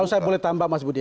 oh saya boleh tambah mas budi